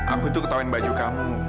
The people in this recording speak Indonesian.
aku tuh ketawain baju kamu